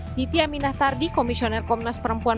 siti aminah tardi komisioner komnas perempuan